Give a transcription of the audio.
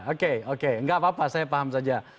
oke oke nggak apa apa saya paham saja